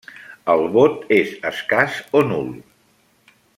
El bot és escàs o nul.